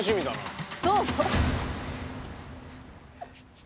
どうぞ！